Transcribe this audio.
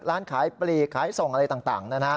ร้านขายปลีกขายส่งอะไรต่างนะฮะ